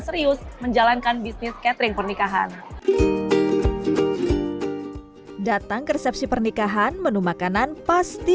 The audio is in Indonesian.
serius menjalankan bisnis catering pernikahan datang ke resepsi pernikahan menu makanan pasti